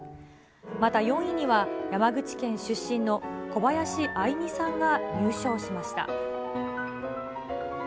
また４位には、山口県出身の小林愛実さんが入賞しました。